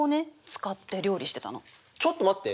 ちょっと待って。